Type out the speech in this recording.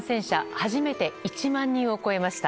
初めて１万人を超えました。